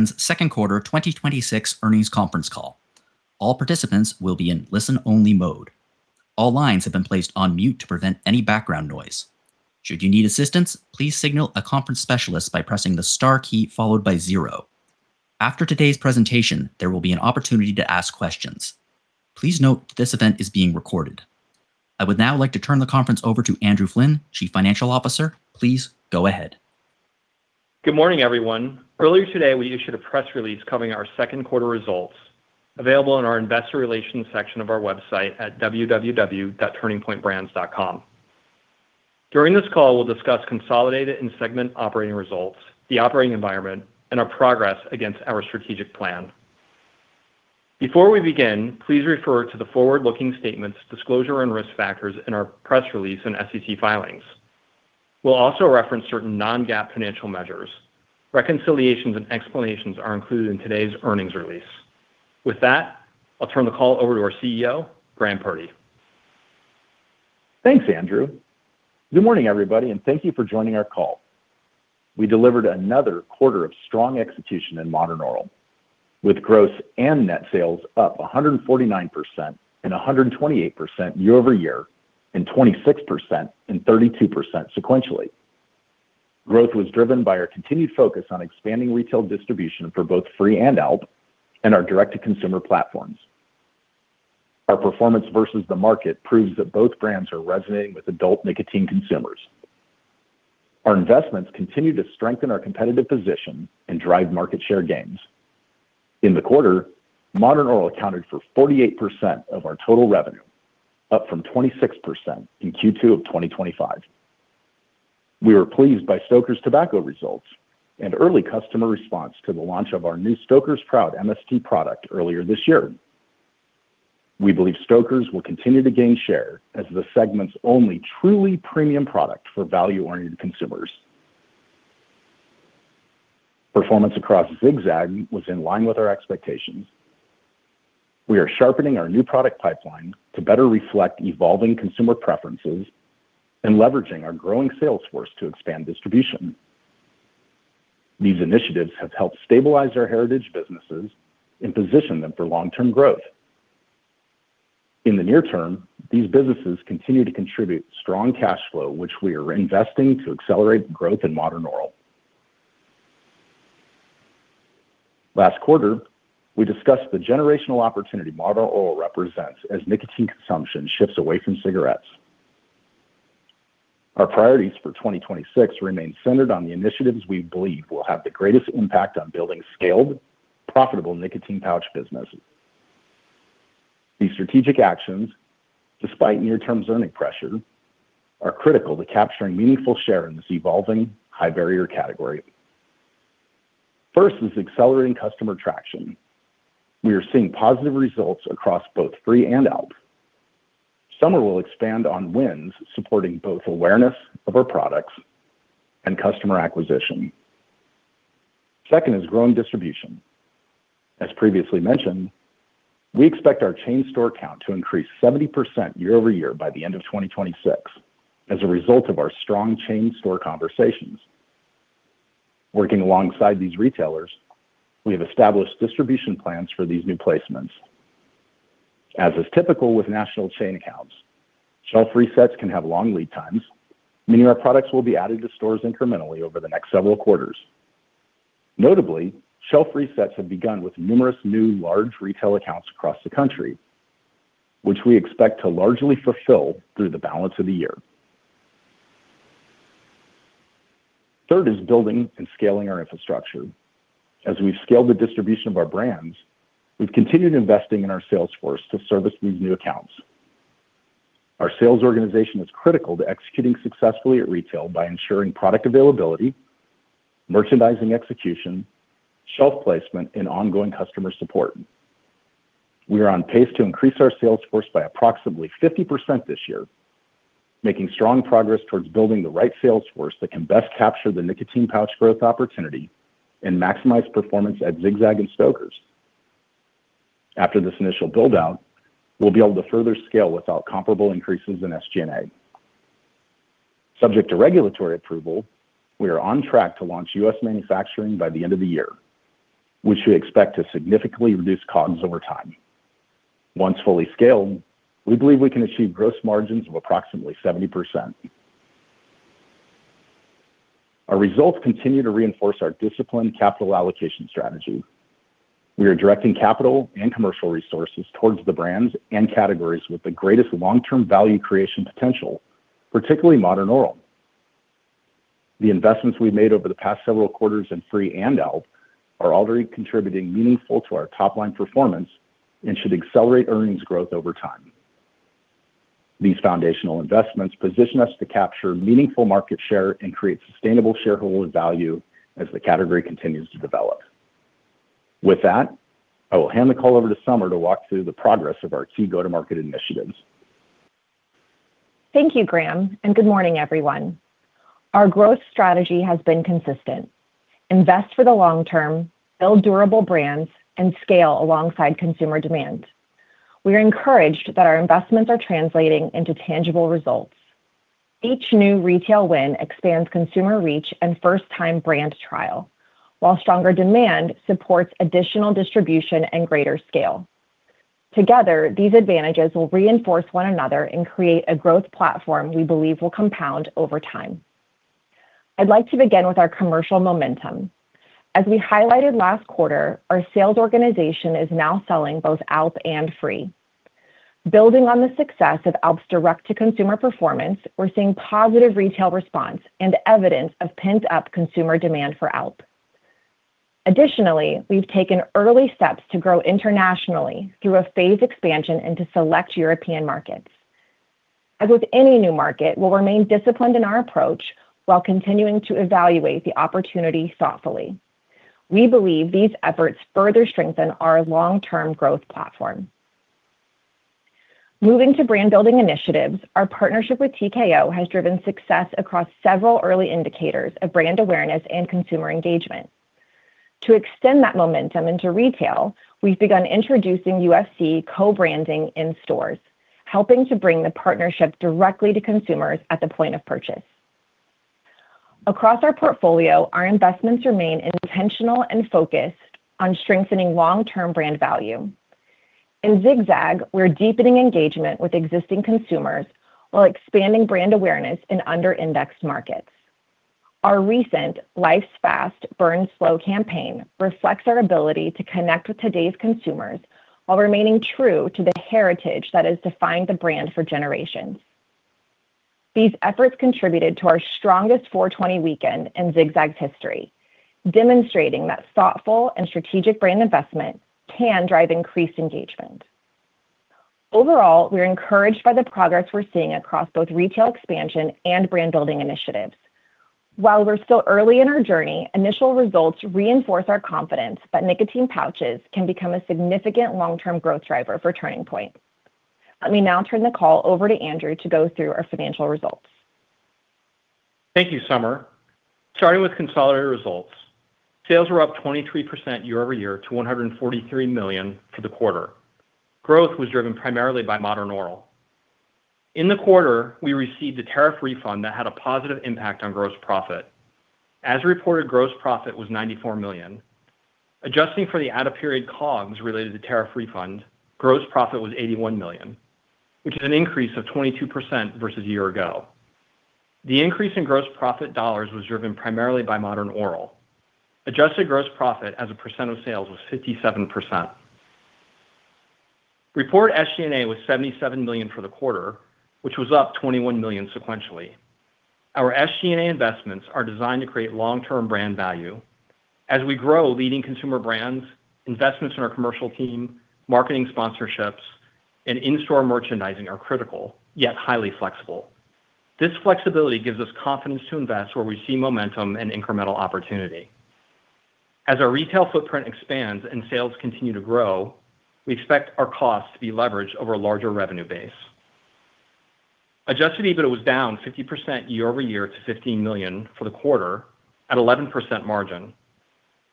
Brands' second quarter 2026 earnings conference call. All participants will be in listen-only mode. All lines have been placed on mute to prevent any background noise. Should you need assistance, please signal a conference specialist by pressing the star key followed by zero. After today's presentation, there will be an opportunity to ask questions. Please note this event is being recorded. I would now like to turn the conference over to Andrew Flynn, Chief Financial Officer. Please go ahead. Good morning, everyone. Earlier today, we issued a press release covering our second quarter results, available on our investor relations section of our website at www.turningpointbrands.com. During this call, we'll discuss consolidated and segment operating results, the operating environment, and our progress against our strategic plan. Before we begin, please refer to the forward-looking statements, disclosure, and risk factors in our press release and SEC filings. We'll also reference certain non-GAAP financial measures. Reconciliations and explanations are included in today's earnings release. With that, I'll turn the call over to our CEO, Graham Purdy. Thanks, Andrew. Good morning, everybody, and thank you for joining our call. We delivered another quarter of strong execution in Modern Oral, with gross and net sales up 149% and 128% year-over-year, 26% and 32% sequentially. Growth was driven by our continued focus on expanding retail distribution for both FRE and ALP and our direct-to-consumer platforms. Our performance versus the market proves that both brands are resonating with adult nicotine consumers. Our investments continue to strengthen our competitive position and drive market share gains. In the quarter, Modern Oral accounted for 48% of our total revenue, up from 26% in Q2 of 2025. We were pleased by Stoker's Tobacco results and early customer response to the launch of our new Stoker's Proud MST product earlier this year. We believe Stoker's will continue to gain share as the segment's only truly premium product for value-oriented consumers. Performance across Zig-Zag was in line with our expectations. We are sharpening our new product pipeline to better reflect evolving consumer preferences and leveraging our growing sales force to expand distribution. These initiatives have helped stabilize our heritage businesses and position them for long-term growth. In the near term, these businesses continue to contribute strong cash flow, which we are investing to accelerate growth in Modern Oral. Last quarter, we discussed the generational opportunity Modern Oral represents as nicotine consumption shifts away from cigarettes. Our priorities for 2026 remain centered on the initiatives we believe will have the greatest impact on building scaled, profitable nicotine pouch businesses. These strategic actions, despite near-term zoning pressure, are critical to capturing meaningful share in this evolving high-barrier category. First is accelerating customer traction. We are seeing positive results across both FRE and ALP. Summer will expand on wins, supporting both awareness of our products and customer acquisition. Second is growing distribution. As previously mentioned, we expect our chain store count to increase 70% year-over-year by the end of 2026 as a result of our strong chain store conversations. Working alongside these retailers, we have established distribution plans for these new placements. As is typical with national chain accounts, shelf resets can have long lead times, meaning our products will be added to stores incrementally over the next several quarters. Notably, shelf resets have begun with numerous new large retail accounts across the country, which we expect to largely fulfill through the balance of the year. Third is building and scaling our infrastructure. As we've scaled the distribution of our brands, we've continued investing in our sales force to service these new accounts. Our sales organization is critical to executing successfully at retail by ensuring product availability, merchandising execution, shelf placement, and ongoing customer support. We are on pace to increase our sales force by approximately 50% this year, making strong progress towards building the right sales force that can best capture the nicotine pouch growth opportunity and maximize performance at Zig-Zag and Stoker's. After this initial build-out, we'll be able to further scale without comparable increases in SG&A. Subject to regulatory approval, we are on track to launch U.S. manufacturing by the end of the year, which we expect to significantly reduce COGS over time. Once fully scaled, we believe we can achieve gross margins of approximately 70%. Our results continue to reinforce our disciplined capital allocation strategy. We are directing capital and commercial resources towards the brands and categories with the greatest long-term value creation potential, particularly Modern Oral. The investments we've made over the past several quarters in FRE and ALP are already contributing meaningfully to our top-line performance and should accelerate earnings growth over time. These foundational investments position us to capture meaningful market share and create sustainable shareholder value as the category continues to develop. With that, I will hand the call over to Summer to walk through the progress of our key go-to-market initiatives. Thank you, Graham. Good morning, everyone. Our growth strategy has been consistent: invest for the long term, build durable brands, and scale alongside consumer demand. We are encouraged that our investments are translating into tangible results. Each new retail win expands consumer reach and first-time brand trial, while stronger demand supports additional distribution and greater scale. Together, these advantages will reinforce one another and create a growth platform we believe will compound over time. I'd like to begin with our commercial momentum. As we highlighted last quarter, our sales organization is now selling both ALP and FRE. Building on the success of ALP's direct-to-consumer performance, we're seeing positive retail response and evidence of pent-up consumer demand for ALP. Additionally, we've taken early steps to grow internationally through a phased expansion into select European markets. As with any new market, we will remain disciplined in our approach while continuing to evaluate the opportunity thoughtfully. We believe these efforts further strengthen our long-term growth platform. Moving to brand-building initiatives, our partnership with TKO has driven success across several early indicators of brand awareness and consumer engagement. To extend that momentum into retail, we have begun introducing UFC co-branding in stores, helping to bring the partnership directly to consumers at the point of purchase. Across our portfolio, our investments remain intentional and focused on strengthening long-term brand value. In Zig-Zag, we are deepening engagement with existing consumers while expanding brand awareness in under-indexed markets. Our recent Life's Fast, Burn Slow campaign reflects our ability to connect with today's consumers while remaining true to the heritage that has defined the brand for generations. These efforts contributed to our strongest 4/20 weekend in Zig-Zag's history, demonstrating that thoughtful and strategic brand investment can drive increased engagement. Overall, we are encouraged by the progress we are seeing across both retail expansion and brand-building initiatives. While we are still early in our journey, initial results reinforce our confidence that nicotine pouches can become a significant long-term growth driver for Turning Point. Let me now turn the call over to Andrew to go through our financial results. Thank you, Summer. Starting with consolidated results, sales were up 23% year-over-year to $143 million for the quarter. Growth was driven primarily by Modern Oral. In the quarter, we received a tariff refund that had a positive impact on gross profit. As reported, gross profit was $94 million. Adjusting for the out-of-period COGS related to tariff refund, gross profit was $81 million, which is an increase of 22% versus year ago. The increase in gross profit dollars was driven primarily by Modern Oral. Adjusted gross profit as a percent of sales was 57%. Reported SG&A was $77 million for the quarter, which was up $21 million sequentially. Our SG&A investments are designed to create long-term brand value. As we grow leading consumer brands, investments in our commercial team, marketing sponsorships, and in-store merchandising are critical, yet highly flexible. This flexibility gives us confidence to invest where we see momentum and incremental opportunity. As our retail footprint expands and sales continue to grow, we expect our costs to be leveraged over a larger revenue base. Adjusted EBITDA was down 50% year-over-year to $15 million for the quarter, at 11% margin.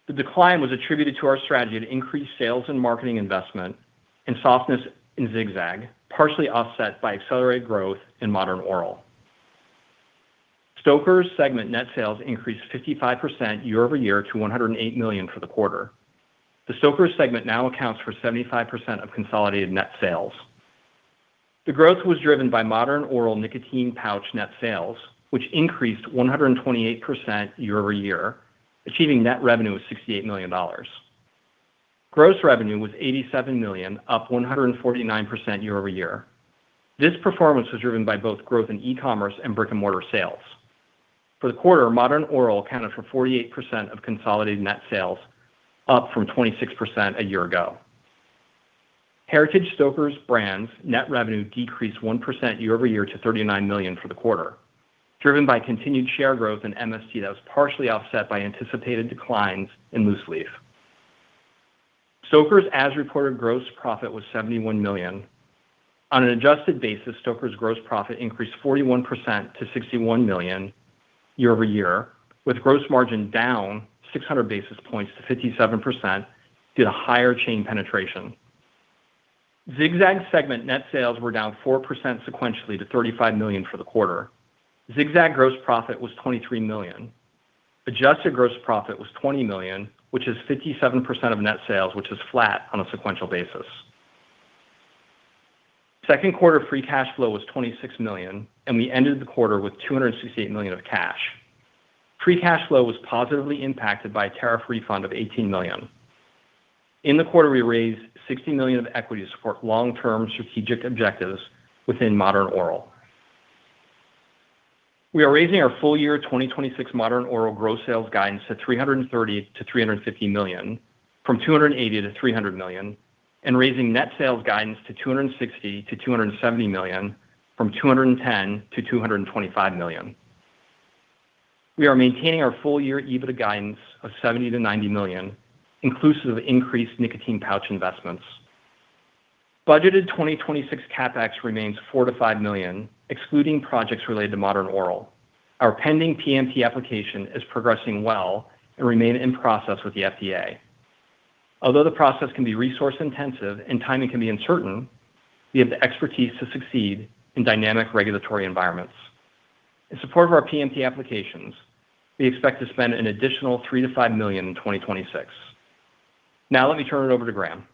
The decline was attributed to our strategy to increase sales and marketing investment and softness in Zig-Zag, partially offset by accelerated growth in Modern Oral. Stoker's segment net sales increased 55% year-over-year to $108 million for the quarter. The Stoker's segment now accounts for 75% of consolidated net sales. The growth was driven by Modern Oral nicotine pouch net sales, which increased 128% year-over-year, achieving net revenue of $68 million. Gross revenue was $89 million, up 149% year-over-year. This performance was driven by both growth in e-commerce and brick-and-mortar sales. For the quarter, Modern Oral accounted for 48% of consolidated net sales, up from 26% a year ago. Heritage Stoker's brands' net revenue decreased 1% year-over-year to $39 million for the quarter, driven by continued share growth in MST that was partially offset by anticipated declines in loose leaf. Stoker's as-reported gross profit was $71 million. On an adjusted basis, Stoker's gross profit increased 41% to $61 million year-over-year, with gross margin down 600 basis points to 57% due to higher chain penetration. Zig-Zag segment net sales were down 4% sequentially to $35 million for the quarter. Zig-Zag gross profit was $23 million. Adjusted gross profit was $20 million, which is 57% of net sales, which was flat on a sequential basis. Second quarter free cash flow was $26 million, and we ended the quarter with $268 million of cash. FRE cash flow was positively impacted by a tariff refund of $18 million. In the quarter, we raised $60 million of equity to support long-term strategic objectives within Modern Oral. We are raising our full year 2026 Modern Oral gross sales guidance to $330 million-$350 million from $280 million-$300 million and raising net sales guidance to $260 million-$270 million from $210 million-$225 million. We are maintaining our full-year EBITDA guidance of $70 million-$90 million, inclusive of increased nicotine pouch investments. Budgeted 2026 CapEx remains $4 million-$5 million, excluding projects related to Modern Oral. Our pending PMTA application is progressing well and remain in process with the FDA. Although the process can be resource-intensive and timing can be uncertain, we have the expertise to succeed in dynamic regulatory environments. In support of our PMTA applications, we expect to spend an additional $3 million-$5 million in 2026. Let me turn it over to Graham.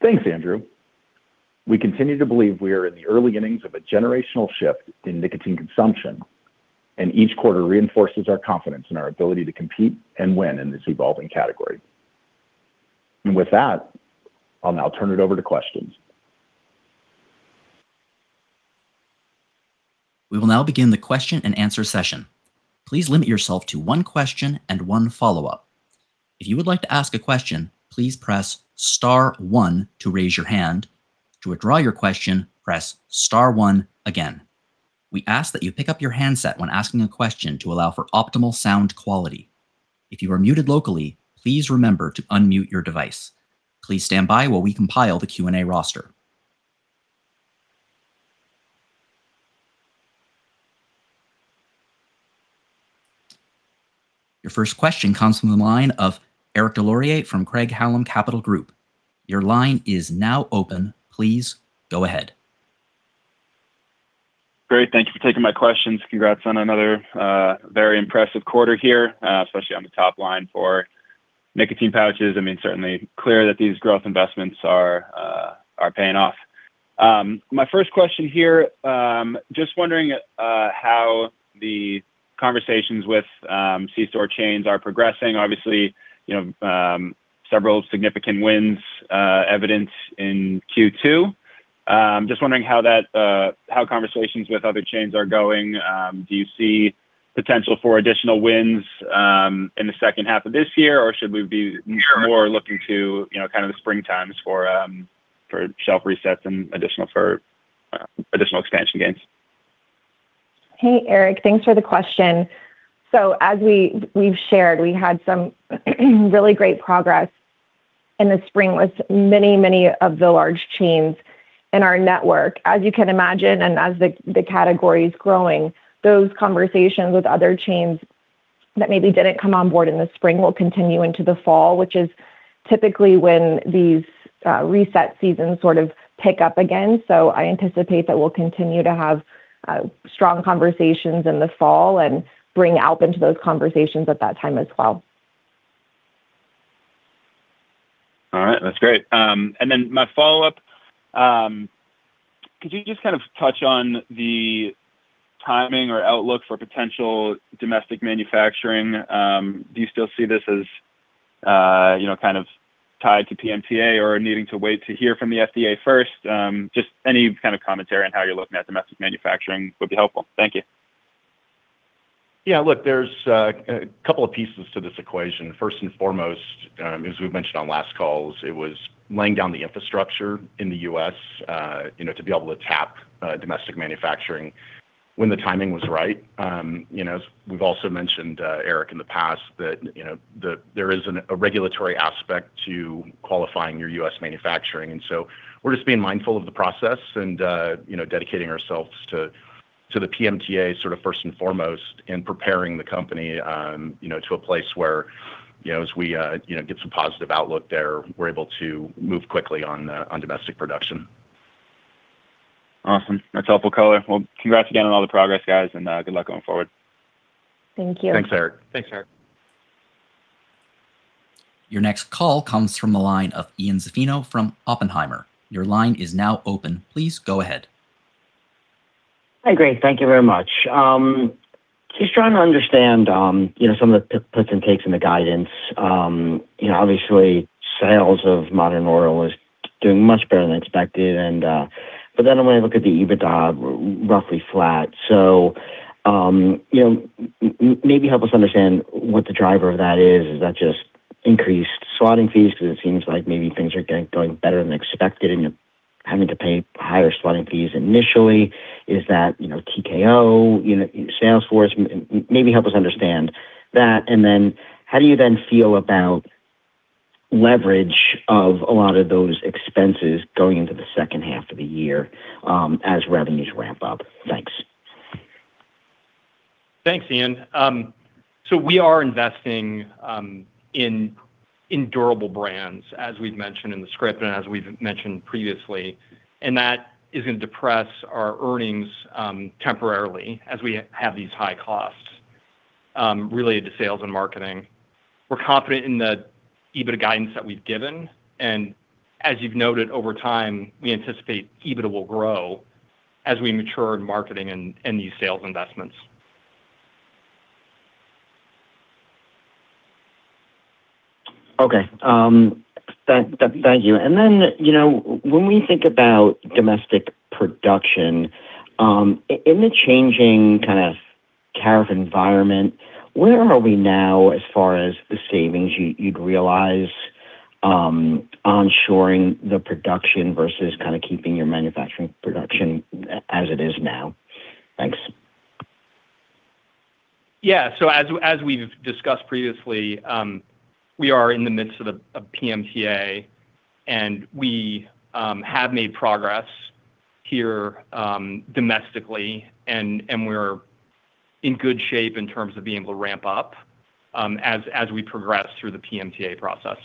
Thanks, Andrew. We continue to believe we are in the early innings of a generational shift in nicotine consumption, and each quarter reinforces our confidence in our ability to compete and win in this evolving category. With that, I'll now turn it over to questions. We will now begin the question-and-answer session. Please limit yourself to one question and one follow-up. If you would like to ask a question, please press star one to raise your hand. To withdraw your question, press star one again. We ask that you pick up your handset when asking a question to allow for optimal sound quality. If you are muted locally, please remember to unmute your device. Please stand by while we compile the Q&A roster. Your first question comes from the line of Eric Des Lauriers from Craig-Hallum Capital Group. Your line is now open. Please go ahead. Great. Thank you for taking my questions. Congrats on another very impressive quarter here, especially on the top line for nicotine pouches. Certainly clear that these growth investments are paying off. My first question here, just wondering how the conversations with c-store chains are progressing. Obviously, several significant wins evident in Q2. Just wondering how conversations with other chains are going. Do you see potential for additional wins in the second half of this year? Or should we be more looking to the spring times for shelf resets and for additional expansion gains? Hey, Eric. Thanks for the question. As we've shared, we had some really great progress in the spring with many of the large chains in our network. As you can imagine, and as the category's growing, those conversations with other chains that maybe didn't come on board in the spring will continue into the fall, which is typically when these reset seasons sort of pick up again. I anticipate that we'll continue to have strong conversations in the fall and bring ALP to those conversations at that time as well. All right. That's great. My follow-up, could you just kind of touch on the timing or outlook for potential domestic manufacturing? Do you still see this as kind of tied to PMTA or needing to wait to hear from the FDA first? Just any kind of commentary on how you're looking at domestic manufacturing would be helpful. Thank you. Yeah, look, there's a couple of pieces to this equation. First and foremost, as we've mentioned on last calls, it was laying down the infrastructure in the U.S. to be able to tap domestic manufacturing when the timing was right. We've also mentioned, Eric, in the past that there is a regulatory aspect to qualifying your U.S. manufacturing. So we're just being mindful of the process and dedicating ourselves to the PMTA first and foremost in preparing the company to a place where, as we get some positive outlook there, we're able to move quickly on domestic production. Awesome. That's helpful color. Well, congrats again on all the progress, guys. Good luck going forward. Thank you. Thanks, Eric. Thanks, Eric. Your next call comes from the line of Ian Zaffino from Oppenheimer. Your line is now open. Please go ahead. Hi, great. Thank you very much. Just trying to understand some of the puts and takes in the guidance. Obviously, sales of Modern Oral is doing much better than expected, but then when I look at the EBITDA, roughly flat. Maybe help us understand what the driver of that is. Is that just increased slotting fees because it seems like maybe things are going better than expected and you're having to pay higher slotting fees initially? Is that TKO sales force? Maybe help us understand that. How do you then feel about leverage of a lot of those expenses going into the second half of the year as revenues ramp up? Thanks. Thanks, Ian. We are investing in durable brands, as we've mentioned in the script and as we've mentioned previously. That is going to depress our earnings temporarily as we have these high costs related to sales and marketing. We're confident in the EBITDA guidance that we've given. As you've noted, over time, we anticipate EBITDA will grow as we mature in marketing and these sales investments. Okay. Thank you. When we think about domestic production, in the changing kind of tariff environment, where are we now as far as the savings you'd realize onshoring the production versus keeping your manufacturing production as it is now? Thanks. Yeah. As we've discussed previously, we are in the midst of PMTA, and we have made progress here domestically, and we're In good shape in terms of being able to ramp up as we progress through the PMTA process.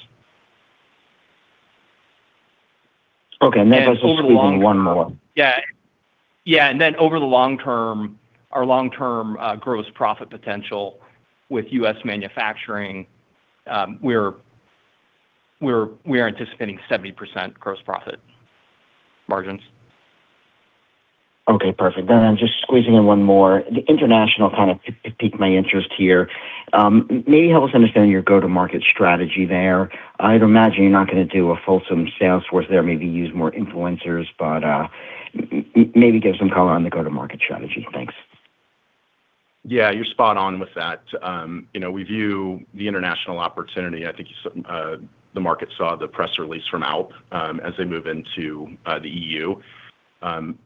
Okay, just squeezing one more. Then over the long term, our long-term gross profit potential with U.S. manufacturing, we're anticipating 70% gross profit margins. Okay, perfect. I'm just squeezing in one more. The international kind of piqued my interest here. Maybe help us understand your go-to-market strategy there. I'd imagine you're not going to do a fulsome sales force there, maybe use more influencers, but maybe give some color on the go-to-market strategy. Thanks. Yeah, you're spot on with that. We view the international opportunity. I think the market saw the press release from ALP as they move into the EU,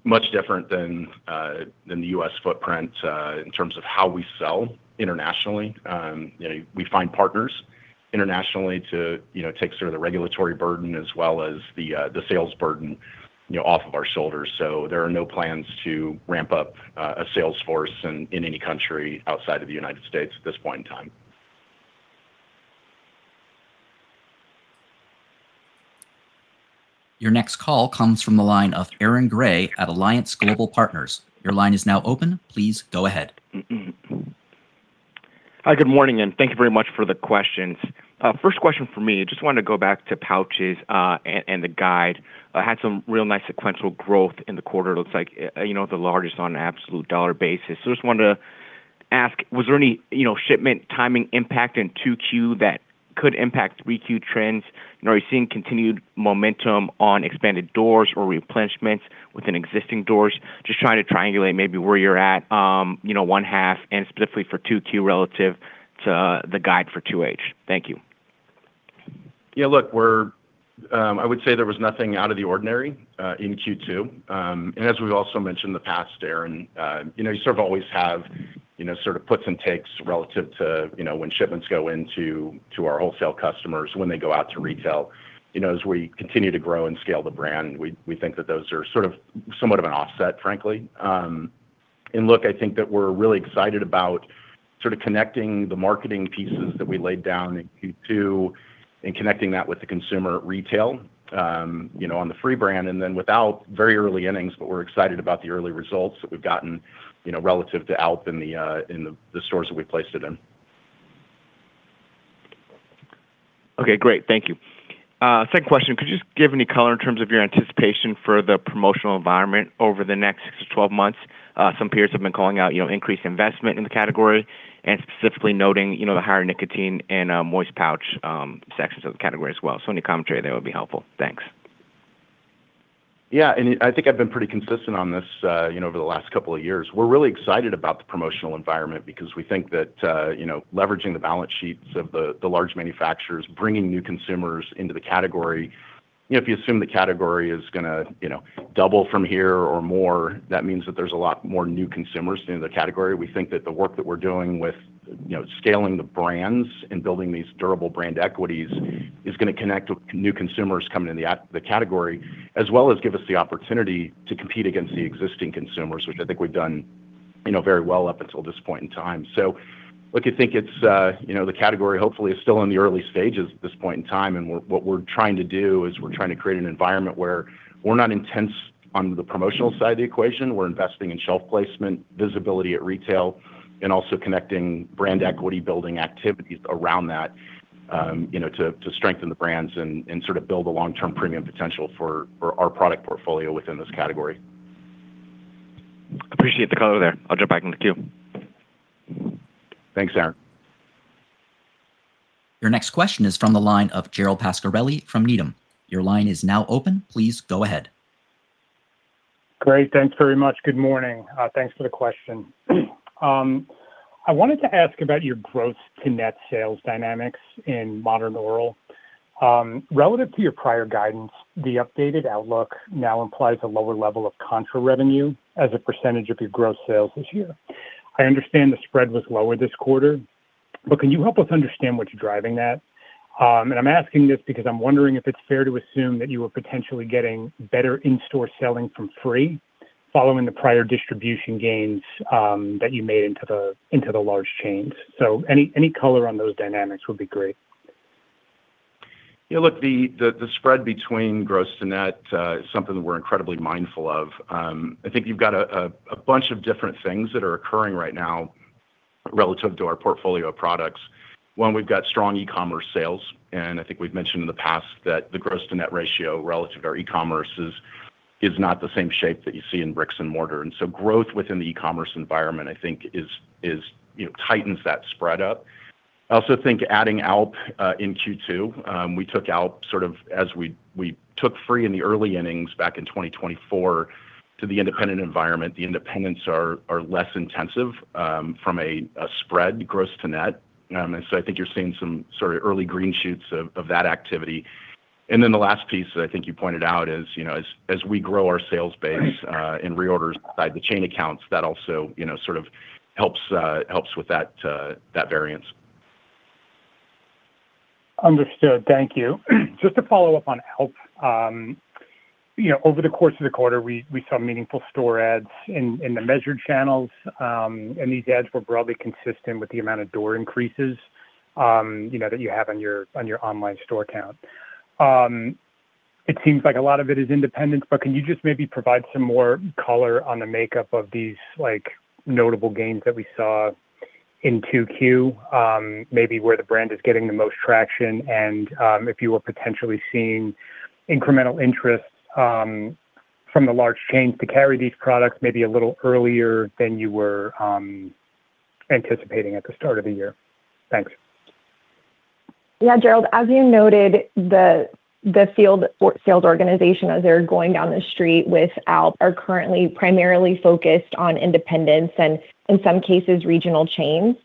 much different than the U.S. footprint in terms of how we sell internationally. We find partners internationally to take the regulatory burden as well as the sales burden off of our shoulders. There are no plans to ramp up a sales force in any country outside of the United States at this point in time. Your next call comes from the line of Aaron Grey at Alliance Global Partners. Your line is now open. Please go ahead. Hi, good morning, and thank you very much for the questions. First question from me, just wanted to go back to pouches, the guide. Had some real nice sequential growth in the quarter, it looks like the largest on an absolute dollar basis. Just wanted to ask, was there any shipment timing impact in 2Q that could impact 3Q trends? Are you seeing continued momentum on expanded doors or replenishment within existing doors? Just trying to triangulate maybe where you're at 1H and specifically for 2Q relative to the guide for 2H. Thank you. Yeah, look, I would say there was nothing out of the ordinary, in Q2. As we've also mentioned in the past, Aaron, you sort of always have puts and takes relative to when shipments go into our wholesale customers, when they go out to retail. As we continue to grow and scale the brand, we think that those are somewhat of an offset, frankly. Look, I think that we're really excited about connecting the marketing pieces that we laid down in Q2 and connecting that with the consumer at retail, on the FRE brand, and then without very early innings, but we're excited about the early results that we've gotten relative to ALP in the stores that we placed it in. Okay, great. Thank you. Second question, could you just give any color in terms of your anticipation for the promotional environment over the next 6-12 months? Some peers have been calling out increased investment in the category and specifically noting the higher nicotine and moist pouch sections of the category as well. Any commentary there would be helpful. Thanks. Yeah, I think I've been pretty consistent on this over the last couple of years. We're really excited about the promotional environment because we think that leveraging the balance sheets of the large manufacturers, bringing new consumers into the category. If you assume the category is going to double from here or more, that means that there's a lot more new consumers in the category. We think that the work that we're doing with scaling the brands and building these durable brand equities is going to connect with new consumers coming into the category, as well as give us the opportunity to compete against the existing consumers, which I think we've done very well up until this point in time. Look, I think the category hopefully is still in the early stages at this point in time, and what we're trying to do is we're trying to create an environment where we're not intense on the promotional side of the equation. We're investing in shelf placement, visibility at retail, and also connecting brand equity-building activities around that to strengthen the brands and build a long-term premium potential for our product portfolio within this category. Appreciate the color there. I'll jump back in the queue. Thanks, Aaron. Your next question is from the line of Gerald Pascarelli from Needham. Your line is now open. Please go ahead. Great. Thanks very much. Good morning. Thanks for the question. I wanted to ask about your growth to net sales dynamics in Modern Oral. Relative to your prior guidance, the updated outlook now implies a lower level of contra revenue as a percentage of your gross sales this year. I understand the spread was lower this quarter, but can you help us understand what's driving that? I'm asking this because I'm wondering if it's fair to assume that you are potentially getting better in-store selling from FRE following the prior distribution gains that you made into the large chains. Any color on those dynamics would be great. Yeah, look, the spread between gross to net is something that we're incredibly mindful of. I think you've got a bunch of different things that are occurring right now relative to our portfolio of products. One, we've got strong e-commerce sales. I think we've mentioned in the past that the gross-to-net ratio relative to our e-commerce is not the same shape that you see in bricks and mortar. Growth within the e-commerce environment, I think, tightens that spread up. I also think adding ALP in Q2, we took ALP as we took FRE in the early innings back in 2024 to the independent environment. The independents are less intensive from a spread gross to net. I think you're seeing some early green shoots of that activity. The last piece that I think you pointed out is as we grow our sales base in reorders inside the chain accounts, that also helps with that variance. Understood. Thank you. Just to follow up on ALP, over the course of the quarter, we saw meaningful store adds in the measured channels. These adds were broadly consistent with the amount of door increases that you have on your online store count. It seems like a lot of it is independent. Can you just maybe provide some more color on the makeup of these notable gains that we saw in Q2, maybe where the brand is getting the most traction if you are potentially seeing incremental interest from the large chains to carry these products, maybe a little earlier than you were anticipating at the start of the year? Thanks. Yeah, Gerald, as you noted, the sales organization, as they're going down the street with ALP, are currently primarily focused on independents and, in some cases, regional chains.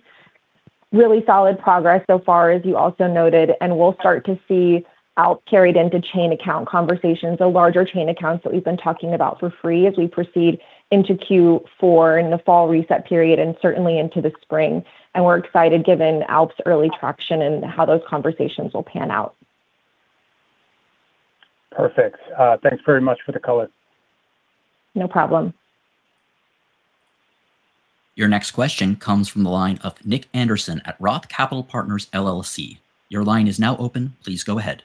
Really solid progress so far, as you also noted, and we'll start to see ALP carried into chain account conversations, the larger chain accounts that we've been talking about for FRE as we proceed into Q4 in the fall reset period and certainly into the spring. We're excited given ALP early traction and how those conversations will pan out. Perfect. Thanks very much for the color. No problem. Your next question comes from the line of Nick Anderson at ROTH Capital Partners LLC. Your line is now open. Please go ahead.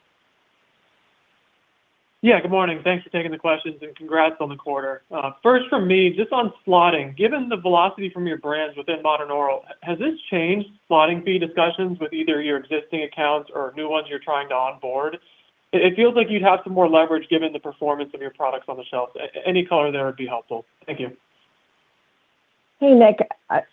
Good morning. Thanks for taking the questions. Congrats on the quarter. First from me, just on slotting. Given the velocity from your brands within Modern Oral, has this changed slotting fee discussions with either your existing accounts or new ones you're trying to onboard? It feels like you'd have some more leverage given the performance of your products on the shelf. Any color there would be helpful. Thank you. Hey, Nick.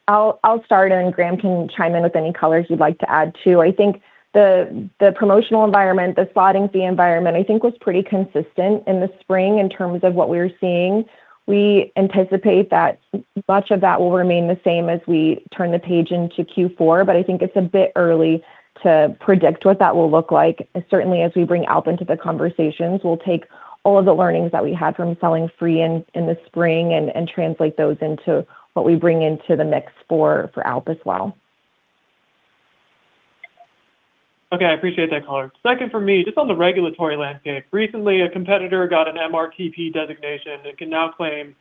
I'll start. Graham can chime in with any colors you'd like to add, too. I think the promotional environment, the slotting fee environment, I think, was pretty consistent in the spring in terms of what we were seeing. We anticipate that much of that will remain the same as we turn the page into Q4. I think it's a bit early to predict what that will look like. Certainly, as we bring ALP into the conversations, we'll take all of the learnings that we had from selling FRE in the spring and translate those into what we bring into the mix for ALP as well. Okay. I appreciate that color. Second for me, just on the regulatory landscape. Recently, a competitor got an MRTP designation and can now claim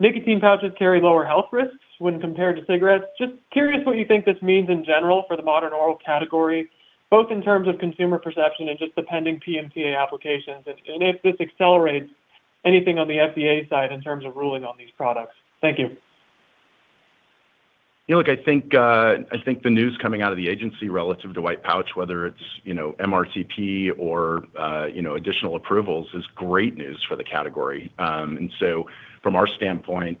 nicotine pouches carry lower health risks when compared to cigarettes. Just curious what you think this means in general for the Modern Oral category, both in terms of consumer perception and just the pending PMTA applications, and if this accelerates anything on the FDA side in terms of ruling on these products. Thank you. Look, I think the news coming out of the agency relative to white pouch, whether it's MRTP or additional approvals, is great news for the category. From our standpoint,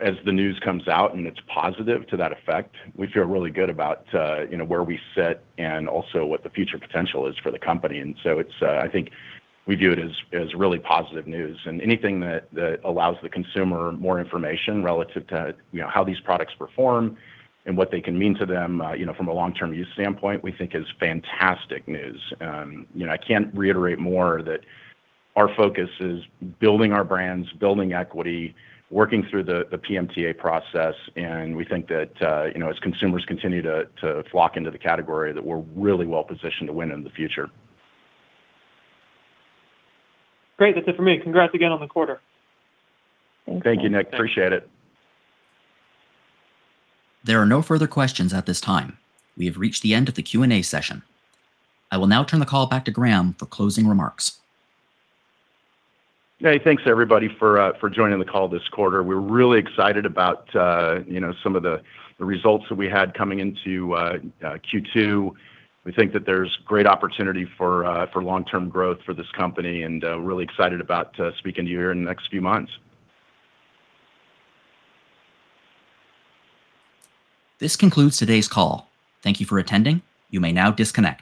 as the news comes out and it's positive to that effect, we feel really good about where we sit and also what the future potential is for the company. I think we view it as really positive news. Anything that allows the consumer more information relative to how these products perform and what they can mean to them from a long-term use standpoint, we think is fantastic news. I can't reiterate more that our focus is building our brands, building equity, working through the PMTA process. We think that as consumers continue to flock into the category, that we're really well positioned to win in the future. Great. That's it for me. Congrats again on the quarter. Thank you, Nick. Appreciate it. There are no further questions at this time. We have reached the end of the Q&A session. I will now turn the call back to Graham for closing remarks. Hey. Thanks, everybody, for joining the call this quarter. We're really excited about some of the results that we had coming into Q2. We think that there's great opportunity for long-term growth for this company, and really excited about speaking to you here in the next few months. This concludes today's call. Thank you for attending. You may now disconnect.